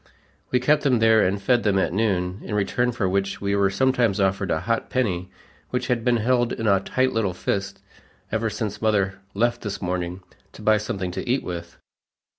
We kept them there and fed them at noon, in return for which we were sometimes offered a hot penny which had been held in a tight little fist "ever since mother left this morning, to buy something to eat with."